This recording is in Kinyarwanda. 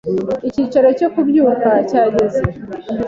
icyiciro cyo kubyuka cya geze